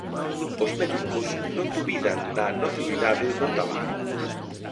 Os médicos non dubidan da nocividade do tabaco.